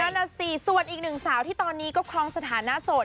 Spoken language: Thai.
นั่นน่ะสิส่วนอีกหนึ่งสาวที่ตอนนี้ก็ครองสถานะโสด